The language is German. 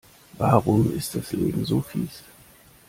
Warum ist das Leben so fieß?